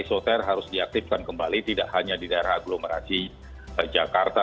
isoter harus diaktifkan kembali tidak hanya di daerah aglomerasi jakarta